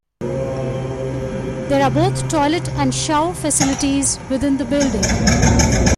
There are both toilet and shower facilities within the building.